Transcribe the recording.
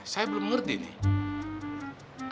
saya belum ngerti nih